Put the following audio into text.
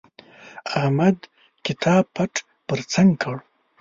احمد کتاب پټ پر څنګ کړ.